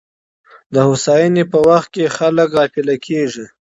د هوساینې په وخت کي خلګ غافله کیږي.